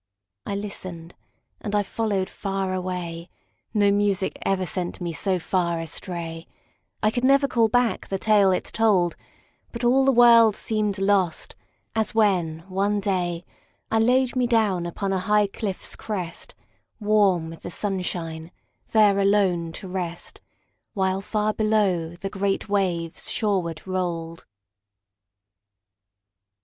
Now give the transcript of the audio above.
I listened, and I followed far away No music ever sent me so astray, I never could call back the tale it told, But all the world seemed lost, as when, one day, I laid me down upon a high cliff's crest, Warm with the sunshine, there alone to rest, While far below the great waves shoreward rolled.